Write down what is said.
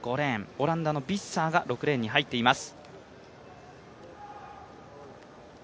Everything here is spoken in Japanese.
オランダのビッサーが６レーンに入っています。